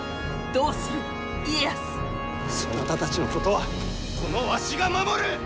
どうする家康そなたたちのことはこのわしが守る！